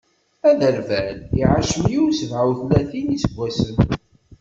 Aderbal iɛac meyya u sebɛa u tlatin n iseggasen.